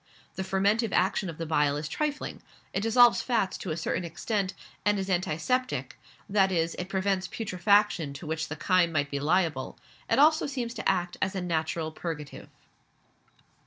The fermentive action of the bile is trifling; it dissolves fats, to a certain extent, and is antiseptic, that is, it prevents putrefaction to which the chyme might be liable; it also seems to act as a natural purgative.